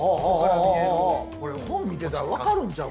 本見てたら分かるんちゃう？